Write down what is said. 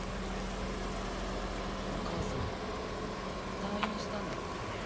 お母さん退院したんだってね。